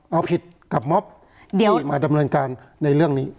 เอาผิดกับม็อบที่มาดำเนินการในเรื่องนี้